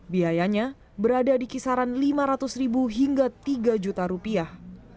biayanya berada di kisaran lima ratus ribu hingga tiga juta rupiah